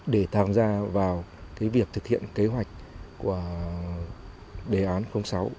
để tham gia vào việc thực hiện kế hoạch của đề án sáu